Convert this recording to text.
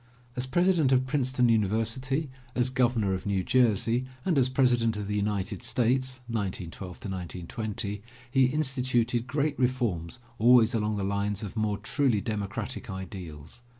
As President of Princeton University, as Governor of New Jersey and as President of the United States, (1912 1920) he instituted great reforms always along the lines of more truly democratic ideals.